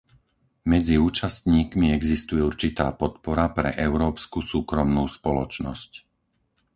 Medzi účastníkmi existuje určitá podpora pre európsku súkromnú spoločnosť.